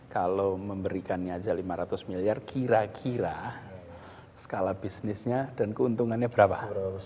kalau memberikannya aja lima ratus miliar kira kira skala bisnisnya dan keuntungannya berapa